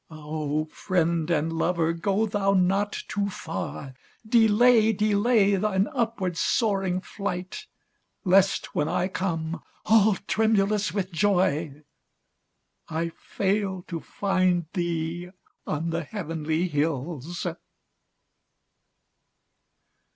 0 friend and lover, go thou not too far ! Delay, delay, thine upward soaring flight, Lest when I come, all tremulous with joy, 1 fail to find thee on the heavenly hills